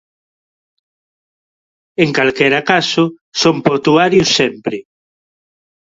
En calquera caso, son portuarios sempre.